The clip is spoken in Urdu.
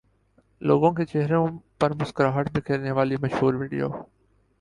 لوگوں کے چہروں پر مسکراہٹ بکھیرنے والی مشہور ویڈیو